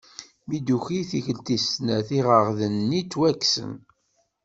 Mi d-tuki i tikelt tis snat iɣegdan-nni ttwaksen.